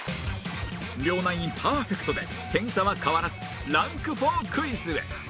両ナインパーフェクトで点差は変わらずランク４クイズへ